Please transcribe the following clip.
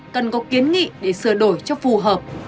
cần có kiến nghị để sửa đổi cho phù hợp